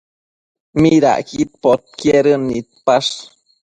¿Midacquid podquedën nidpash?